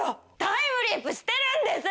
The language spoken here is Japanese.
タイムリープしてるんです！